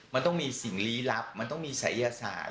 มันต้องมีสิ่งลี้ลับมันต้องมีศัยศาสตร์